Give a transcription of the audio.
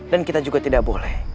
dan kita juga tidak boleh